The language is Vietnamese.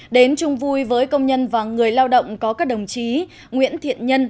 đến chung vui với công nhân và người lao động có các đồng chí nguyễn thiện nhân